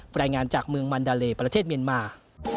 รายงานจากเมืองมันดาเลประเทศเมียนมา